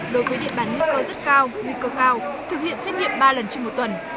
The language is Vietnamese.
đối với địa bàn nguy cơ rất cao nguy cơ cao thực hiện xét nghiệm ba lần trên một tuần